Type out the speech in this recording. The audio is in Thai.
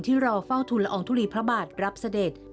รอเฝ้าทุนละอองทุลีพระบาทรับเสด็จ